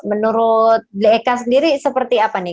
nah menurut deka sendiri seperti apa nih